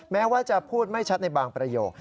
แม้ว่าจะพูดไม่ชัดในบางประโยค